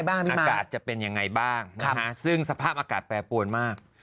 อากาศจะเป็นยังไงบ้างนะฮะซึ่งสภาพอากาศแปรปวนมาก